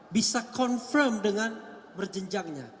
bisa confirm dengan berjenjangnya